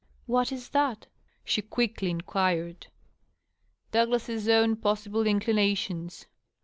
" What is that?" she quickly inquired. "Douglas's own possible inclinations."